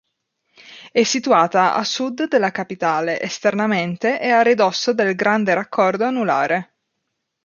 È situata a sud della capitale, esternamente e a ridosso del Grande Raccordo Anulare.